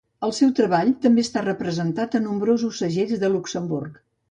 El seu treball també està representat a nombrosos segells de Luxemburg.